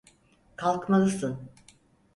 Kalkmalısın.